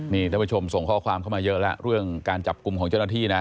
นี่ท่านผู้ชมส่งข้อความเข้ามาเยอะแล้วเรื่องการจับกลุ่มของเจ้าหน้าที่นะ